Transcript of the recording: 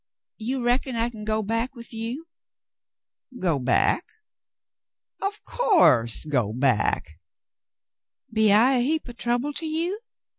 You reckon I can go back with you ?" "Go back ? Of course — go back." "Be I heap o' trouble to you